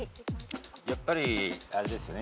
やっぱりあれですよね。